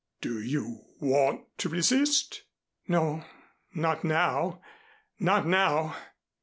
"Do you want to resist?" "No, not now not now."